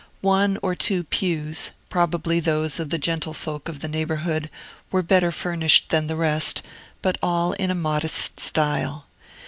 One or two pews, probably those of the gentlefolk of the neighborhood, were better furnished than the rest, but all in a modest style.